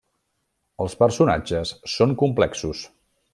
Els personatges són complexos.